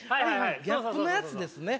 ギャップのやつですね。